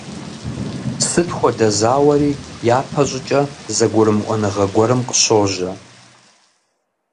Сыт хуэдэ зауэри япэ щӀыкӀэ зэгурымыӀуэныгъэ гуэрым къыщожьэ.